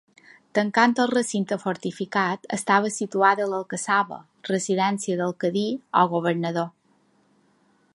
Tancant el recinte fortificat estava situada l'alcassaba, residència del Cadí o governador.